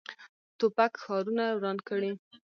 توپک ښارونه وران کړي.